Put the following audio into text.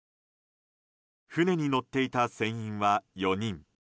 船に乗っていた船員は４人。